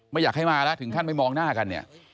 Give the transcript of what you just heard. ไม่อยากให้มาแล้วถึงขั้นไม่มองหน้ากันเนี่ย